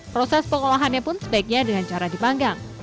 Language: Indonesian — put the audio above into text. proses pengolahannya pun sebaiknya dengan cara dipanggang